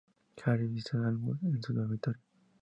Harry visita a Albus en su dormitorio.